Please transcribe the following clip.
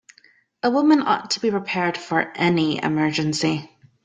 A woman ought to be prepared for any emergency.